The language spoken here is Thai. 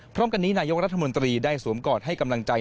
พร้อมกันนี้นายกรัฐมนตรีได้สวมกอดให้กำลังใจ